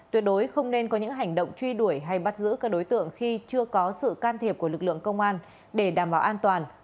tuyệt đối không nên có những hành động truy đuổi hay bắt giữ các đối tượng khi chưa có sự can thiệp của lực lượng công an để đảm bảo an toàn